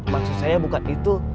maksud saya bukan itu